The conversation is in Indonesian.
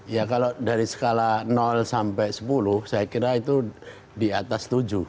ya kalau dari skala sampai sepuluh saya kira itu di atas tujuh